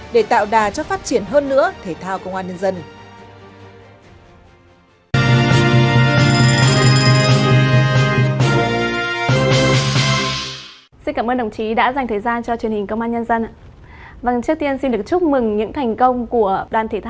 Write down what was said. để tạo đà cho phát triển hơn nữa thể thao công an nhân dân